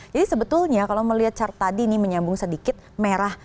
jadi sebetulnya kalau melihat chart tadi ini menyambung sedikit merah